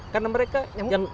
karena mereka yang berhak